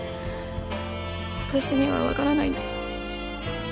私にはわからないんです。